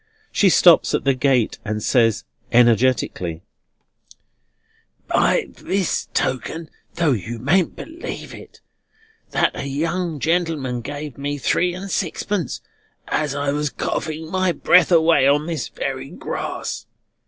She stops at the gate, and says energetically: "By this token, though you mayn't believe it, That a young gentleman gave me three and sixpence as I was coughing my breath away on this very grass.